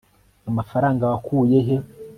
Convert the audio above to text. amafaranga wakuye he